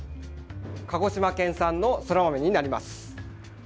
鹿児島県産のそら豆になります。